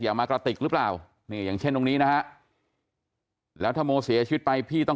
อย่ามราคาติกหรือเปล่าเนี่ยอย่างเช่นตรงนี้นะแล้วมงเสียชีวิตไปพี่ต้อง